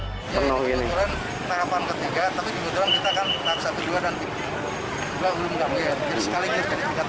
ini kebetulan tahapan ketiga tapi kita akan tahap satu dua dan tiga